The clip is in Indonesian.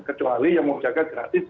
kecuali yang mau jaga gratis